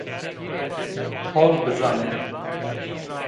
Hol bizane